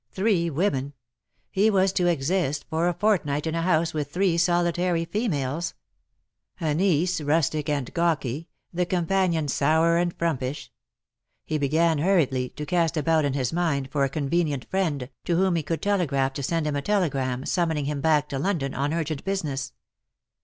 Three women ! He was to exist for a fortnight in a house with three solitary females. A niece and a companion ! The niece, rustic and gawky ; the companion sour and frumpish. He began^ hurriedly, to cast about in his mind for a con venient friendj to whom he could telegraph to send him a telegram, summoning him back to London on urgent business.